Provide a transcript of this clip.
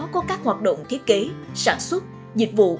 có các hoạt động thiết kế sản xuất dịch vụ